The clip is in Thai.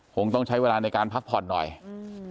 คงต้องใช้เวลาในการพักผ่อนหน่อยอืม